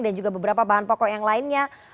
dan juga beberapa bahan pokok yang lainnya